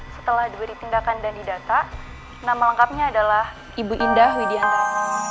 setelah diberi tindakan dan didata nama lengkapnya adalah ibu indah widianto